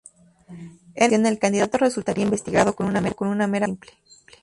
En esta ocasión, el candidato resultaría investido con una mera mayoría simple.